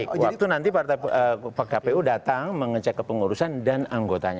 waktu nanti kpu datang mengecek kepengurusan dan anggotanya